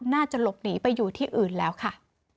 น่าจะหลบหนีไปอยู่ที่อื่นแล้วค่ะ